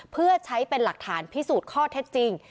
เพื่อใช้เป็นหลักฐานพิสูจน์ข้อเท็จจริง